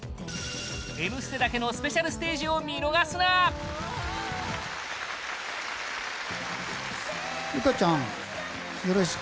「Ｍステ」だけのスペシャルステージを見逃すなウタちゃん、よろしく。